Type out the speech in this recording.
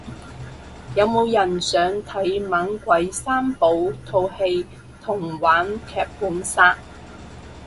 有冇人想睇猛鬼三寶套戲同玩劇本殺